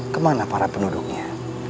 kemana para penduduknya